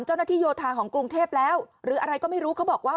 โยธาของกรุงเทพแล้วหรืออะไรก็ไม่รู้เขาบอกว่า